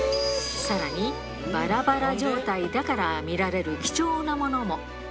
さらにばらばら状態だから見られる貴重なものも。